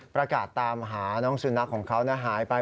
ประกาศตามหาน้องสุนัขของเขาหายไป